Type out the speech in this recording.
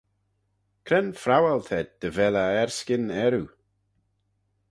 Cre'n phrowal t'ayd dy vel eh erskyn earroo?